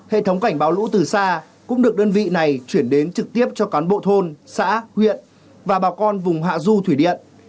hệ thống cảnh báo lũ từ xa cũng được đơn vị này chuyển đến trực tiếp cho cán bộ thôn xã huyện và bà con vùng hạ du thủy điện